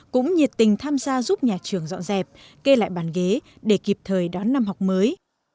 cũng nhiệt tình tham gia giúp nhà trường dọn dẹp kê lại bàn ghế để kịp thời đón năm học mới